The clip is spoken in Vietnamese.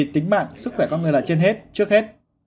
tính mạng sức khỏe con người là trên hết trước hết